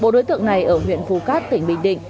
bốn đối tượng này ở huyện phù cát tỉnh bình định